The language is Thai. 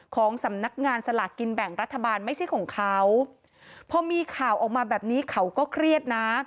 ของสำนักงานสลากกินแบ่งรัฐบาลไม่ใช่ของเขาพอมีข่าวออกมาแบบนี้เขาก็เครียดนะ